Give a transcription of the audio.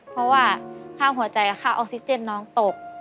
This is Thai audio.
เพราะว่าค่าหัวใจค่าออกซิเจนน้องตก